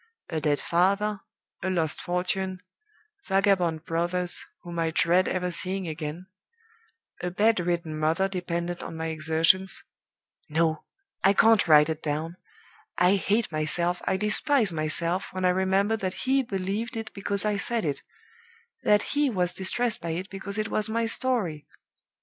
A dead father; a lost fortune; vagabond brothers, whom I dread ever seeing again; a bedridden mother dependent on my exertions No! I can't write it down! I hate myself, I despise myself, when I remember that he believed it because I said it that he was distressed by it because it was my story!